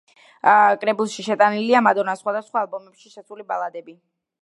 კრებულში შეტანილია მადონას სხვადასხვა ალბომებში შესული ბალადები.